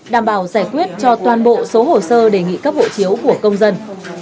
đảm bảo giải quyết cho toàn bộ số hồ sơ đề nghị cấp hộ chiếu của công dân